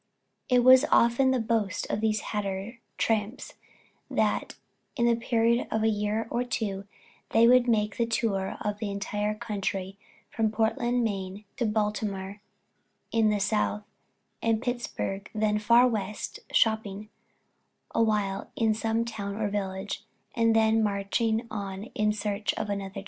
It was often the boast of these hatter "tramps" that in the period of a year or two they would make the tour of the entire country from Portland, Maine, to Baltimore in the South, and Pittsburg, then "far west," "shopping" awhile in some town or village and then marching on in search of another chance.